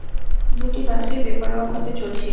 দুটি বাসই বেপরোয়াভাবে চলছিল।